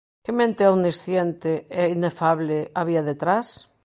Que mente omnisciente e inefable había detrás?